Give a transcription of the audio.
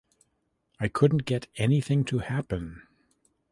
I couldn’t get anything to happen.